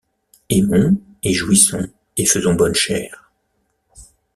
Aimons, et jouissons, et faisons bonne chère.